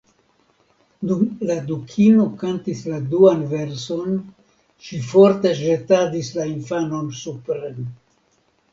Dum la Dukino kantis la duan verson, ŝi forte ĵetadis la infanon supren.